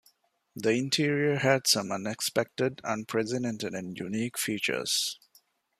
The interior had some unexpected, unprecedented and unique features.